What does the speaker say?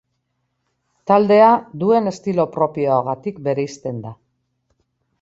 Taldea, duen estilo propioagatik bereizten da.